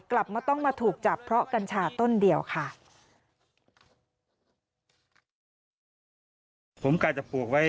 กลับมาต้องมาถูกจับเพราะกัญชาต้นเดียวค่ะ